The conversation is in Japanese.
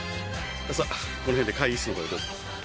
さっこの辺で会議室のほうへどうぞ。